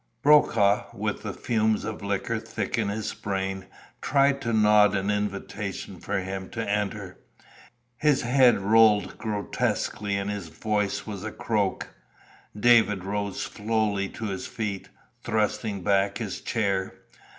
Brokaw, with the fumes of liquor thick in his brain, tried to nod an invitation for him to enter; his head rolled grotesquely and his voice was a croak. David rose slowly to his feet, thrusting back his chair.